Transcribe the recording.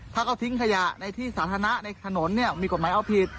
ถ้าเขาทิ้งขยะในที่สาธารณะในถนนเนี่ยมีกฎหมายเอาผิด